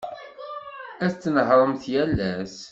Ad tnehhṛemt yal ass.